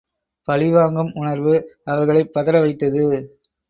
பழிவாங்கும் உணர்வு அவர்களைப் பதற வைத்தது.